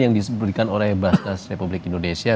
yang diberikan oleh basas republik indonesia